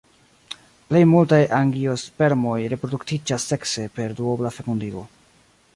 Plej multaj angiospermoj reproduktiĝas sekse per duobla fekundigo.